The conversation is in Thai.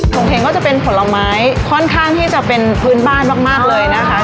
งเห็งก็จะเป็นผลไม้ค่อนข้างที่จะเป็นพื้นบ้านมากเลยนะคะ